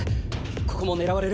ここも狙われる。